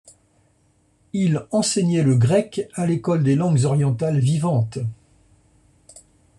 Il enseignait le grec à l'École des langues orientales vivantes.